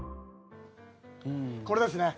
これですね。